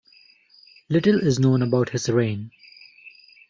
Little is known about his reign.